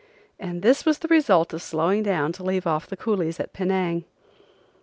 And this was the result of slowing down to leave off the coolies at Penang.